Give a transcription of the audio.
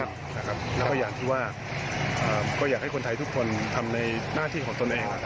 แล้วก็อย่างที่ว่าก็อยากให้คนไทยทุกคนทำในหน้าที่ของตนเอง